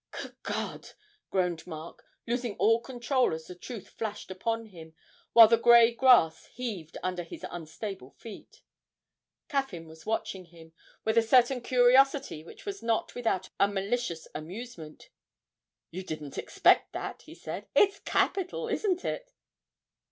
'Good God!' groaned Mark, losing all control as the truth flashed upon him while the grey grass heaved under his unstable feet. Caffyn was watching him, with a certain curiosity which was not without a malicious amusement. 'You didn't expect that,' he said. 'It's capital, isn't it?'